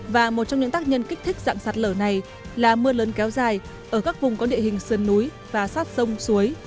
và một trong những tác nhân kích thích dạng sạt lở này là mưa lớn kéo dài ở các vùng có địa hình sơn núi và sát sông suối